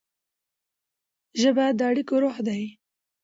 ژبه د اړیکو روح ده.